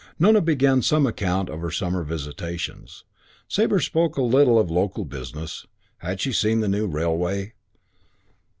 Nona began some account of her summer visitations. Sabre spoke a little of local businesses: had she seen the new railway?